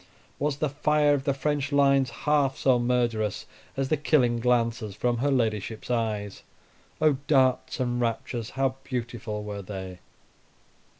Was the fire of the French lines half so murderous as the killing glances from her ladyship's eyes? Oh! darts and raptures, how beautiful were they!